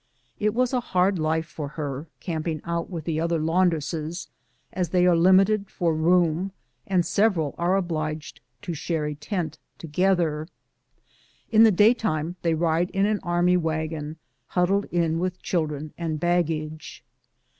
It was a hard life for her, camping out with the other laundresses, as they are limited for room, and several are obliged to share a tent together. In the daytime they ride in an army wagon, huddled in with children and baggage.